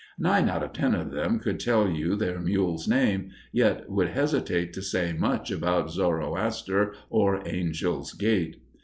Nine out of ten of them could tell you their mule's name, yet would hesitate to say much about Zoroaster or Angel's Gate.